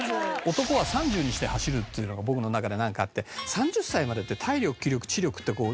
男は３０にして走るっていうのが僕の中でなんかあって３０歳までって体力気力知力って右肩上がりで上がっていくのよ。